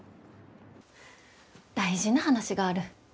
大事な話がある。